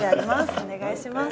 お願いします。